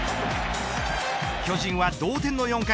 巨人は同点の４回。